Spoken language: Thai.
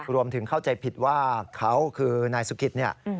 รวมถึงเข้าใจผิดว่าเขาคือนายสุกิตเนี่ย